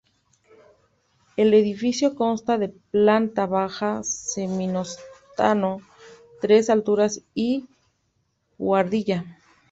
El edificio consta de planta baja, semisótano, tres alturas y buhardilla.